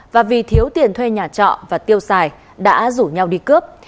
và vì thiếu tiền thuê nhà trọ và tiêu xài đã rủ nhau đi cướp